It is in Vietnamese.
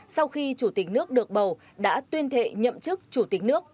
sau khi chủ tịch nước được bầu đã tuyên thệ nhậm chức chủ tịch nước